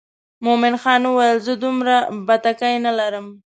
مومن خان وویل زه دومره بتکۍ نه لرم.